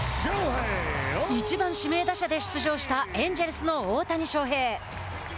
１番・指名打者で出場したエンジェルスの大谷翔平。